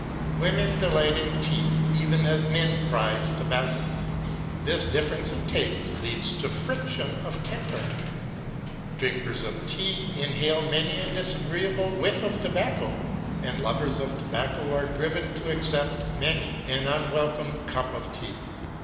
Women delight in tea even as men prize tobacco. This difference in taste leads to friction of temper. Drinkers of tea inhale many a disagreeable whiff of tobacco, and lovers of tobacco are driven to accept many an unwelcome cup of tea.